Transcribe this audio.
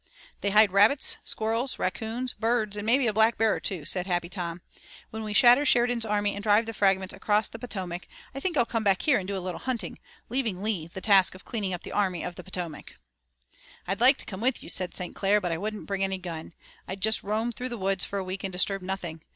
"They hide rabbits, squirrels, raccoons, birds and maybe a black bear or two," said Happy Tom. "When we shatter Sheridan's army and drive the fragments across the Potomac I think I'll come back here and do a little hunting, leaving to Lee the task of cleaning up the Army of the Potomac." "I'd like to come with you," said St. Clair, "but I wouldn't bring any gun. I'd just roam through the woods for a week and disturb nothing.